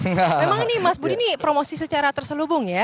memang ini mas budi ini promosi secara terselubung ya